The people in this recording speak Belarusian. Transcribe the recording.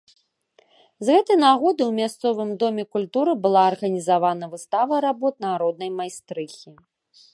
З гэтай нагоды ў мясцовым доме культуры была арганізавана выстава работ народнай майстрыхі.